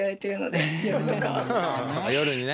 夜にね。